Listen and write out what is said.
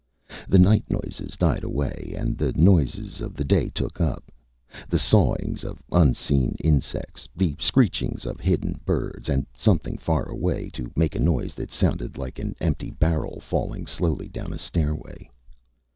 The night noises died away and the noises of the day took up the sawings of unseen insects, the screechings of hidden birds and something far away began to make a noise that sounded like an empty barrel falling slowly down a stairway.